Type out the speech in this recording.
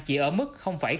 chỉ ở mức một